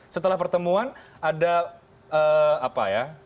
setelah pertemuan ada apa ya